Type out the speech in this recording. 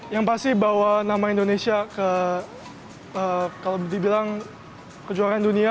yang pasti bawa nama indonesia ke kalau dibilang kejuaraan dunia